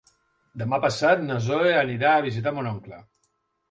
Demà passat na Zoè anirà a visitar mon oncle.